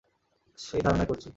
সেই ধারণাই করছি।